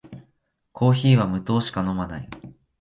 コーヒーは無糖しか飲まない